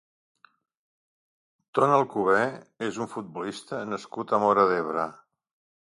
Ton Alcover és un futbolista nascut a Móra d'Ebre.